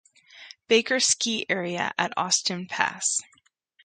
Baker Ski Area at Austin Pass.